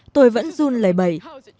tôi vẫn run lời bậy